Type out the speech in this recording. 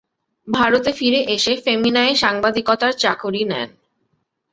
ভারতে ফিরে এসে ফেমিনায় সাংবাদিকতার চাকুরী নেন।